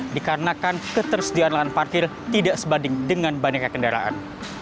dikarenakan ketersediaan lahan parkir tidak sebanding dengan banyaknya kendaraan